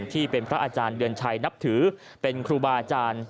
ที่เป็นพระอาจารย์เดือนชัยนับถือเป็นครูบาอาจารย์